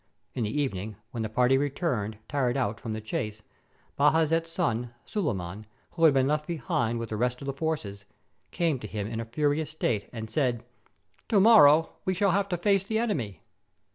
In the evening, when the party returned, tired out, from the chase, Bajazet's son, Suleiman, who had been left be hind with the rest of the forces, came to him in a furious state, and said: — "To morrow we shall have to face the enemy."